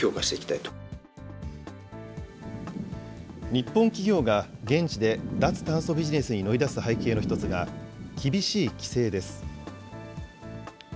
日本企業が現地で脱炭素ビジネスに乗り出す背景の一つが、厳しい規制です。